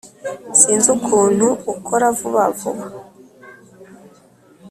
sinzi ukuntu akora vuba vuba